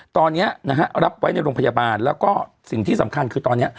ตอนนี้นะฮะรับไว้ในโรงพยาบาลแล้วก็สิ่งที่สำคัญคือตอนนี้